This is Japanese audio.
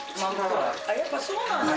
あっやっぱそうなんだ。